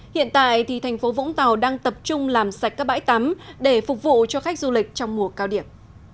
hiện tại thì thành phố vũng tàu đang tập trung làm sạch các bãi tắm để phục vụ cho khách du lịch trong mùa cao điểm